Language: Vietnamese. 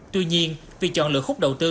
tuy nhiên vì chọn lựa khúc đầu tư